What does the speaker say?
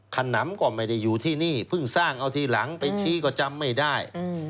ขนำก็ไม่ได้อยู่ที่นี่เพิ่งสร้างเอาทีหลังไปชี้ก็จำไม่ได้